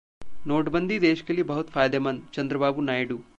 नोटबंदी देश के लिए बहुत फायदेमंद: चंद्रबाबू नायडू